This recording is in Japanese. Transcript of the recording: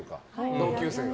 同級生が。